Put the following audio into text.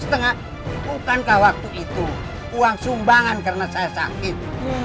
bukankah waktu itu uang sumbangan karena saya sakit